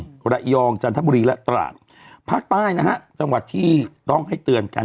ฐาบุรีละยองจัฬถ้าบุรีและตระภาคใต้นะฮะจังหวัดที่ต้องให้เตรียมกัน